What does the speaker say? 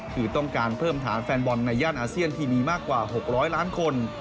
คือต้องการเพิ่มฐานแฟนบอลในย่านอาเซียนที่มีมากกว่า๖๐๐ล้านคน